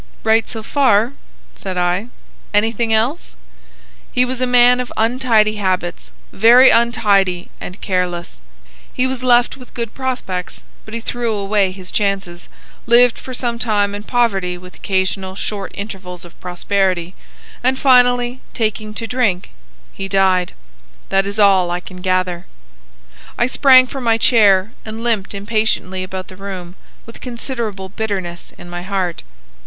"Right, so far," said I. "Anything else?" "He was a man of untidy habits,—very untidy and careless. He was left with good prospects, but he threw away his chances, lived for some time in poverty with occasional short intervals of prosperity, and finally, taking to drink, he died. That is all I can gather." I sprang from my chair and limped impatiently about the room with considerable bitterness in my heart.